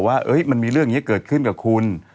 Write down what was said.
ว่ามันมีเรื่องนี้เกิดขึ้นกับคุณ